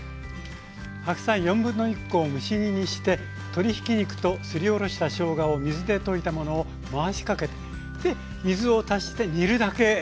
白菜1/4コを蒸し煮にして鶏ひき肉とすりおろしたしょうがを水で溶いたものを回しかけて水を足して煮るだけでした。